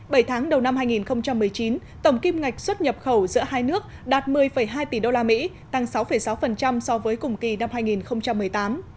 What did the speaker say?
bảy tháng đầu năm hai nghìn một mươi chín tổng kim ngạch xuất nhập khẩu giữa hai nước đạt một mươi hai tỷ usd tăng sáu sáu so với cùng kỳ năm hai nghìn một mươi tám